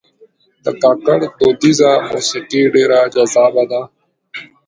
د کاکړ دودیزه موسیقي ډېر جذابه ده.